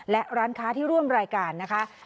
และร้านค้าที่ร่วมรายการนะคะ